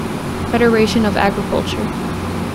Federation of Agriculture.